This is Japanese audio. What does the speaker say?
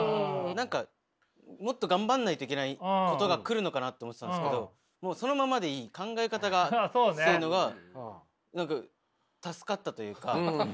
何かもっと頑張んないといけないことが来るのかなと思ってたんですけどそのままでいい考え方がっていうのは何か助かったというか。